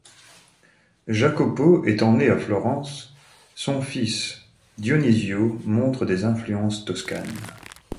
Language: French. Jacopo étant né à Florence, son fils Dionisio montre des influences toscanes.